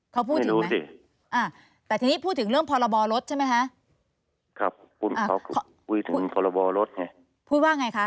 แต่ทีนี้พูดภูมิเรื่องพอละบอร์ลดใช่ไหมคะ